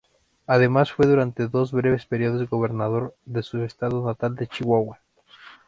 Además fue durante dos breves periodos gobernador de su estado natal de Chihuahua.